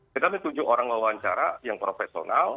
kita menunjuk orang wawancara yang profesional